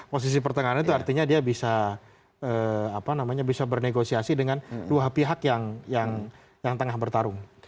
posisi pertengahan itu artinya dia bisa bernegosiasi dengan dua pihak yang tengah bertarung